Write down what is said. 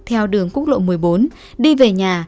theo đường quốc lộ một mươi bốn đi về nhà